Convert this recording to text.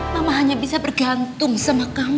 mama hanya bisa bergantung sama kamu